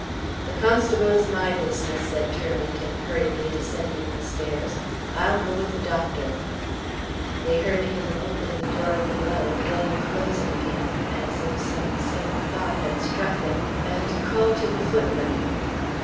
"The constable is my business," said Turlington, hurriedly descending the stairs; "I'll go with the doctor." They heard him open the door below, then close it again (as if some sudden thought had struck him), and call to the footman.